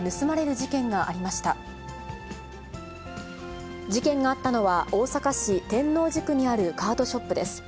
事件があったのは、大阪市天王寺区にあるカードショップです。